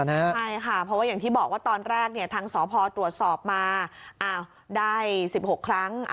ใช่ค่ะเพราะว่าอย่างที่บอกว่าตอนแรกทางสพตรวจสอบมาได้๑๖ครั้ง